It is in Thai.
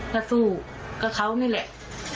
ก็สู้ก็เขานี่แหละ